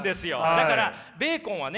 だからベーコンはね